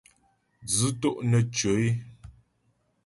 Dzʉ́ tó’ nə́ tʉɔ é.